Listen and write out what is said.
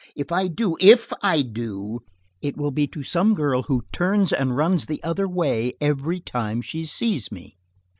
If I do–if I do –it will be to some girl who turns and runs the other way every time she sees me."